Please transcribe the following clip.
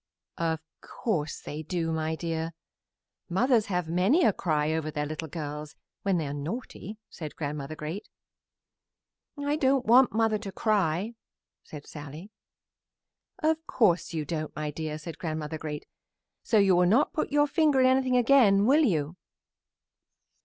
"Of course they do, my dear. Mothers have many a cry over their little girls when they are naughty," said Grandmother Great. "I don't want mother to cry," said Sallie. "Of course you don't, my dear," said Grandmother Great. "So you will not put your finger in anything again, will you?"